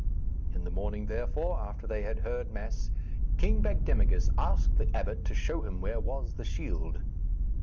In the morning, therefore, after they had heard mass, King Bagdemagus asked the abbot to show him where was the shield.